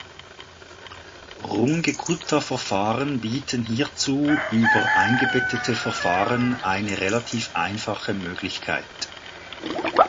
Runge-Kutta-Verfahren bieten hierzu über eingebettete Verfahren eine relativ einfache Möglichkeit.